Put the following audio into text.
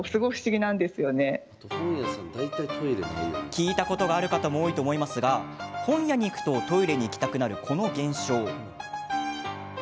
聞いたことがある方も多いと思いますが本屋に行くとトイレに行きたくなる、この現象。